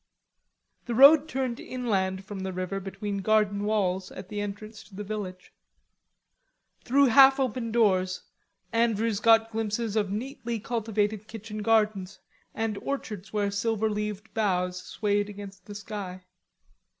The road turned inland from the river between garden walls at the entrance to the village. Through half open doors Andrews got glimpses of neatly cultivated kitchen gardens and orchards where silver leaved boughs swayed against the sky.